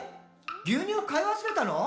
牛乳買い忘れたの？」